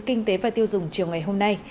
kinh tế và tiêu dùng chiều ngày hôm nay